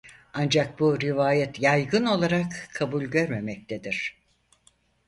Ancak bu rivayet yaygın olarak kabul görmemektedir.